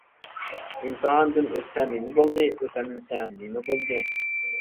ئىمتىھاندىن ئۆتسە نېمە بولدى، ئۆتەلمىسە نېمە بولدى.